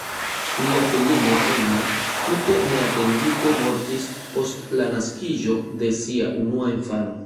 Lia filino "Emma" tute neatendite mortis post la naskiĝo de sia unua infano.